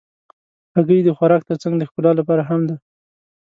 هګۍ د خوراک تر څنګ د ښکلا لپاره هم ده.